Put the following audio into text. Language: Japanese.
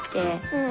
うん。